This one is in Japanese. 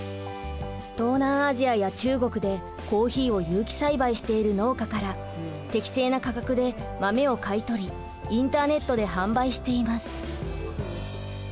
東南アジアや中国でコーヒーを有機栽培している農家から適正な価格で豆を買い取りインターネットで販売しています。